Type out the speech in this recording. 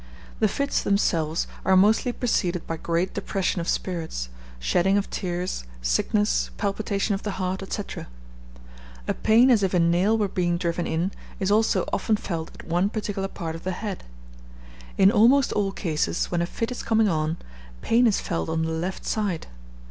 The fits themselves are mostly preceded by great depression of spirits, shedding of tears, sickness, palpitation of the heart, &c. A pain, as if a nail were being driven in, is also often felt at one particular part of the head. In almost all cases, when a fit is coming on, pain is felt on the left side.